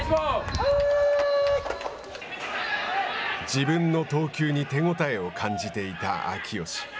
自分の投球に手応えを感じていた秋吉。